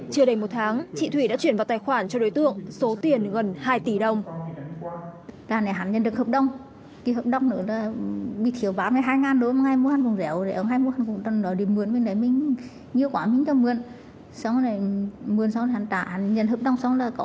chưa đầy một tháng chị thủy đã chuyển vào tài khoản cho đối tượng số tiền gần hai tỷ đồng